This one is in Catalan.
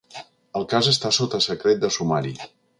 El cas està sota secret de sumari.